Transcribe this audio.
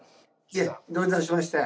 いえどういたしまして。